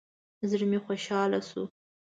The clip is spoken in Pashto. زړه مې خوشاله شو.